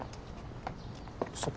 そっか。